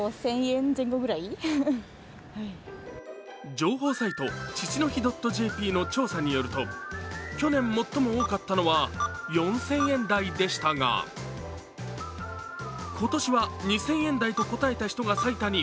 情報サイト父の日．ＪＰの調査によると、去年最も多かったのは、４０００円台でしたが、今年は２０００円台と答えた人が最多に。